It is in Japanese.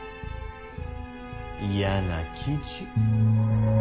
嫌な記事。